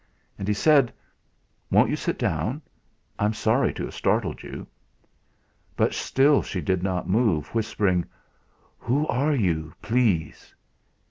And he said: "Won't you sit down? I'm sorry to have startled you." But still she did not move, whispering: "Who are you, please?"